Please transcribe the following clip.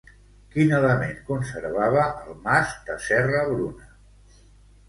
Quin element conservava el mas de Serra-Bruna?